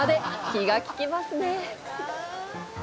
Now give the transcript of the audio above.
気がききますね！